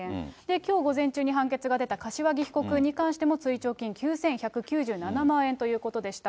きょう午前中に判決が出た柏木被告に関しても、追徴金９１９７万円ということでした。